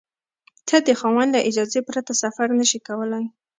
ته د خاوند له اجازې پرته سفر نشې کولای.